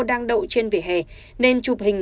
đang đậu trên vỉa hè nên chụp hình